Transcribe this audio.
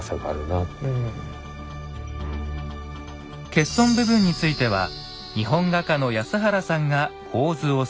欠損部分については日本画家の安原さんが構図を推定。